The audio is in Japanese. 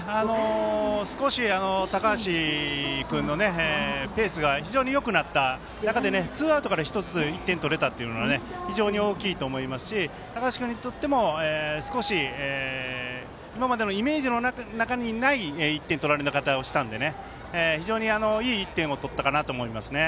少し高橋君のペースがよくなった中でツーアウトから１つ１点取れたというのは非常に大きいと思いますし高橋君にとっても今までのイメージの中にない１点の取られ方をしたので非常に、いい１点を取ったかなと思いますね。